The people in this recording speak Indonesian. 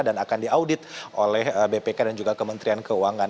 akan diaudit oleh bpk dan juga kementerian keuangan